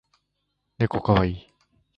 ねこかわいい